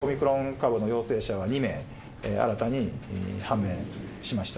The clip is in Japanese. オミクロン株の陽性者が２名新たに判明しました。